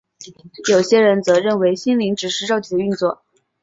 有些人则认为心灵只是肉体的运作。